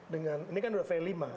dengan ini kan udah v lima